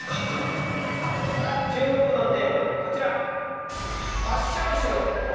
注目のテーマはこちら。